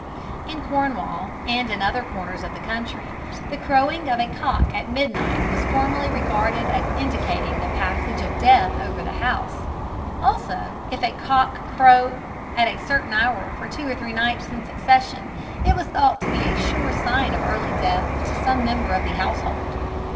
In Cornwall, and in other corners of the country, the crowing of a cock at midnight was formerly regarded as indicating the passage of death over the house; also if a cock crew at a certain hour for two or three nights in succession, it was thought to be a sure sign of early death to some member of the household.